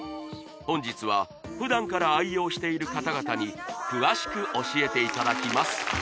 本日は普段から愛用している方々に詳しく教えていただきます